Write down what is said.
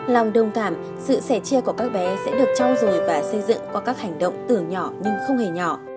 lòng đồng cảm sự sẻ chia của các bé sẽ được trao dồi và xây dựng qua các hành động tưởng nhỏ nhưng không hề nhỏ